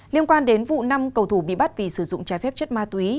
liên quan đến vụ năm cầu thủ bị bắt vì sử dụng trái phép chất ma túy